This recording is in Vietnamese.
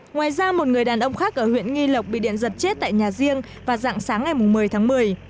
ngoài ra một người đàn ông khác ở huyện nghi lộc bị điện giật chết tại nhà riêng và dặn sáng ngày mùng một mươi tháng một mươi